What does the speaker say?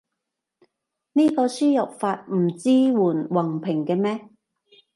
呢個輸入法唔支援橫屏嘅咩？